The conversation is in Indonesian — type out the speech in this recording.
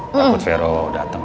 takut vero dateng